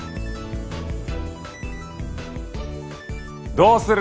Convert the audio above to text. どうする？